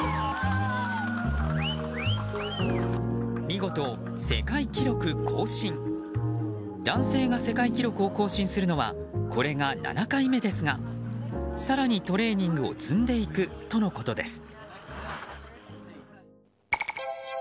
見事、世界記録更新！男性が世界記録を更新するのはこれが７回目ですが更にトレーニングを積んでいくとのことです。